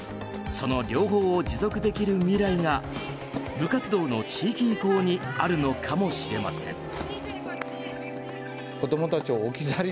その両方を持続できる未来が部活動の地域移行にあるのかもしれません。